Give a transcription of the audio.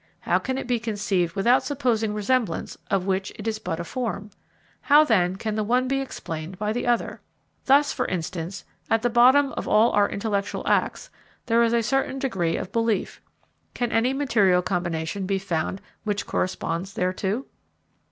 How can it be conceived without supposing resemblance, of which it is but a form? How, then, can the one be explained by the other? Thus, for instance, at the bottom of all our intellectual acts, there is a certain degree of belief. Can any material combination be found which corresponds thereto?